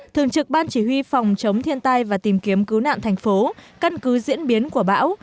thường trực ban chỉ huy phòng chống thiên tai và tìm kiếm cứu nạn thành phố căn cứ diễn biến của bão